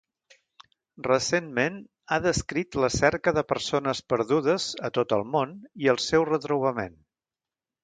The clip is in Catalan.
Recentment ha descrit la cerca de persones perdudes a tot el món i el seu retrobament.